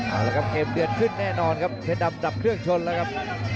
เอาละครับเกมเดือดขึ้นแน่นอนครับเพชรดำดับเครื่องชนแล้วครับ